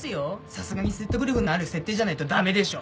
さすがに説得力のある設定じゃないと駄目でしょ。